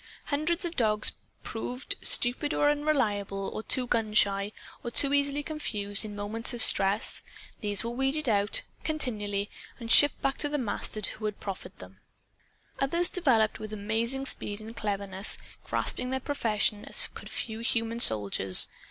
Hundreds of dogs proved stupid or unreliable or gun shy or too easily confused in moments of stress. These were weeded out, continually, and shipped back to the masters who had proffered them. Others developed with amazing speed and cleverness, grasping their profession as could few human soldiers.